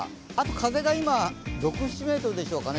風が今、６７メートルですかね